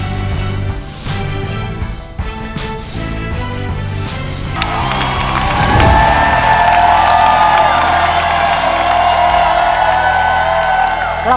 โชคกับทนอย่างอ่อนหลาย